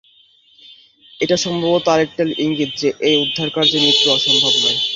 এটা সম্ভবত আরেকটা ইঙ্গিত যে এই উদ্ধারকার্যে মৃত্যুও অসম্ভব নয়।